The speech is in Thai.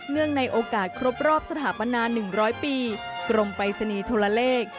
เนื่องในโอกาสครบรอบสถาปนา๑๐๐ปีกรมไปรษณีย์โทรเลก